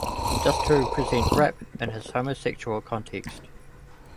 Just to present rap in this homosexual context.